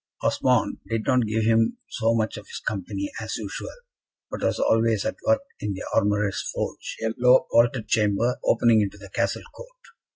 Osmond did not give him so much of his company as usual, but was always at work in the armourer's forge a low, vaulted chamber, opening into the Castle court.